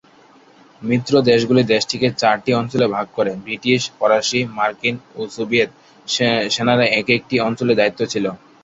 মিত্র দেশগুলি দেশটিকে চারটি অঞ্চলে ভাগ করে: ব্রিটিশ, ফরাসি, মার্কিন ও সোভিয়েত সেনারা একেকটি অঞ্চলের দায়িত্বে ছিল।